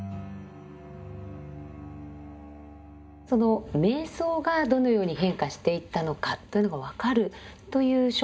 その瞑想がどのように変化していったのかというのが分かるという書物がこちらですね。